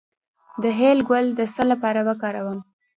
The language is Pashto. د هل ګل د څه لپاره وکاروم؟